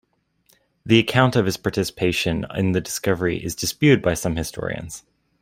The account of his participation in the discovery is disputed by some historians.